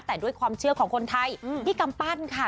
แต่ด้วยความเชื่อของคนไทยพี่กำปั้นค่ะ